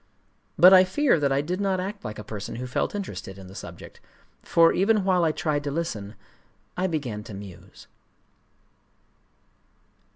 But I fear that I did not act like a person who felt interested in the subject; for, even while I tried to listen, I began to muse.